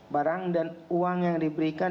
barang dan uang yang diberikan